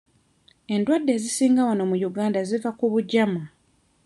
Endwadde ezisinga wano mu Uganda ziva ku bugyama.